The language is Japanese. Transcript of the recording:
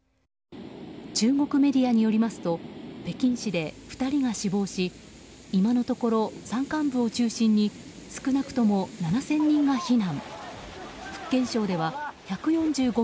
中国メディアによりますと北京市で２人が死亡し今のところ山間部を中心に少なくとも７０００人が避難。